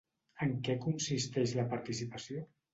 En què consisteix la participació?